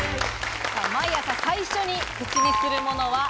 毎朝最初に口にするものは？